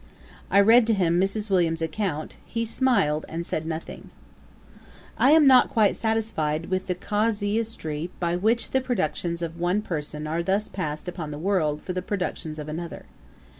I read to him Mrs. Williams's account; he smiled, and said nothing. [Page 255: Mrs. Lennox. Ætat 45.] I am not quite satisfied with the casuistry by which the productions of one person are thus passed upon the world for the productions of another.